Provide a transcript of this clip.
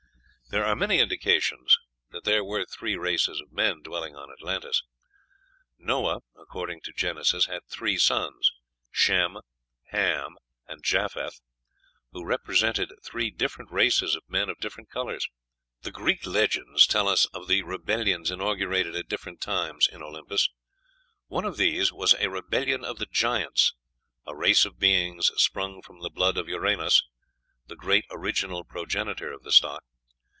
There are many indications that there were three races of men dwelling on Atlantis. Noah, according to Genesis, had three sons Shem, Ham, and Japheth who represented three different races of men of different colors. The Greek legends tell us of the rebellions inaugurated at different times in Olympus. One of these was a rebellion of the Giants, "a race of beings sprung from the blood of Uranos," the great original progenitor of the stock.